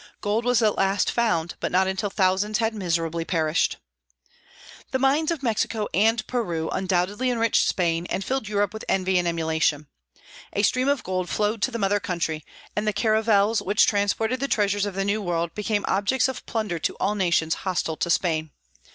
Gold was at last found, but not until thousands had miserably perished. The mines of Mexico and Peru undoubtedly enriched Spain, and filled Europe with envy and emulation. A stream of gold flowed to the mother country, and the caravels which transported the treasures of the new world became objects of plunder to all nations hostile to Spain.